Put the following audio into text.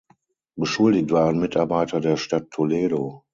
Beschuldigt waren Mitarbeiter der Stadt Toledo.